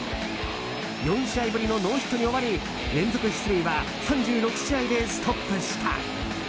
４試合ぶりのノーヒットに終わり連続出塁は３６試合でストップした。